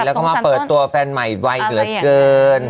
แล้วก็มาเปิดตัวแฟนใหม่ไวเหลือเกิน